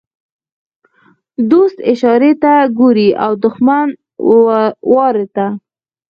ـ دوست اشارې ته ګوري او دښمن وارې ته.